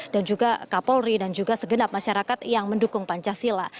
dan juga kapolri dan juga segenap masyarakat yang mendukung pancasila